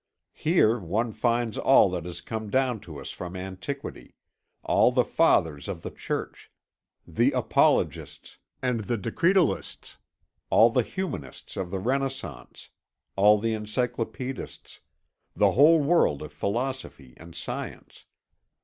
Here one finds all that has come down to us from antiquity; all the Fathers of the Church, the Apologists and the Decretalists, all the Humanists of the Renaissance, all the Encylopædists, the whole world of philosophy and science.